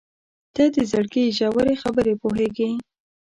• ته د زړګي ژورې خبرې پوهېږې.